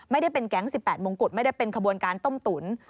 ไม่ได้เป็นแก๊ง๑๘มงกุฎไม่ได้เป็นขบวนการต้มตุ๋น